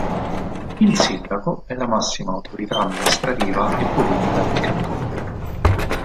Il sindaco è la massima autorità amministrativa e politica del cantone.